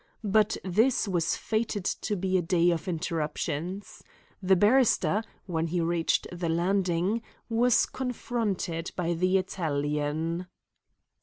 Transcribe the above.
But this was fated to be a day of interruptions. The barrister, when he reached the landing, was confronted by the Italian.